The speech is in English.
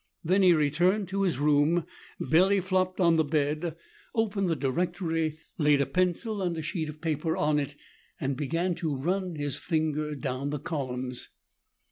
Then he returned to his room, belly flopped on the bed, opened the directory, laid a pencil and sheet of paper on it and began to run his finger down the columns.